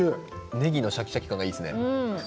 ねぎのシャキシャキ感がいいですね。